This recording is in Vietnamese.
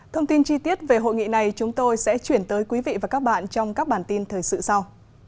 thông tin chi tiết về hội nghị này chúng tôi sẽ chuyển tới quý vị và các bạn trong các bản tin thời sự sau